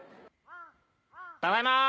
ただいま。